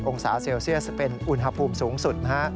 องศาเซลเซียสเป็นอุณหภูมิสูงสุดนะฮะ